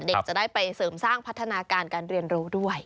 เด็กจะได้ไปเสริมสร้างพัฒนาการการเรียนรู้ด้วย